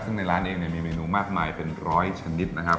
ซึ่งร้านในเองเนี่ยมีมากมายเป็นร้อยชนิดนะครับ